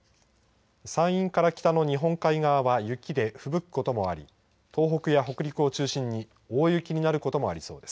山陰から北の日本海側は雪でふぶくこともあり東北や北陸を中心に大雪になることもありそうです。